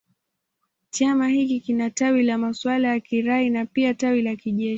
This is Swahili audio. Chama hiki kina tawi la masuala ya kiraia na pia tawi la kijeshi.